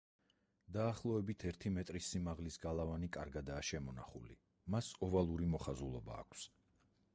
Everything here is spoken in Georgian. დაახლოებით ერთ მეტრის სიმაღლის გალავანი კარგადაა შემონახული; მას ოვალური მოხაზულობა აქვს.